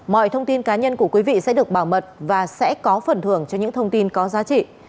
mọi thông tin cá nhân của quý vị sẽ được bảo mật và sẽ có phần thưởng cho những thông tin có giá trị